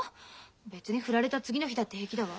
別に振られた次の日だって平気だわ。